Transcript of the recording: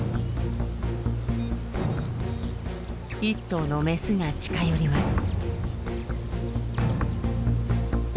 １頭のメスが近寄ります。